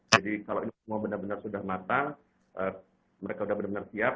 jadi kalau ini semua benar benar sudah matang mereka sudah benar benar siap